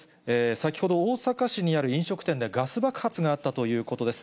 先ほど、大阪市にある飲食店でガス爆発があったということです。